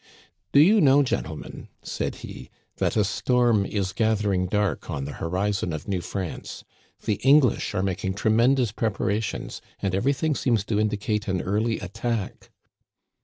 Do you know, gentlemen," said he, " that a storm is gathering dark on the horizon of New France. The English are making tremendous preparations, and every thing seems to indicate an early attack."